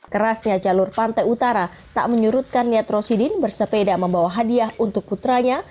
kerasnya jalur pantai utara tak menyurutkan niat rosidin bersepeda membawa hadiah untuk putranya